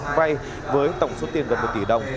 tỉnh đắk lắc vay với tổng số tiền gần một tỷ đồng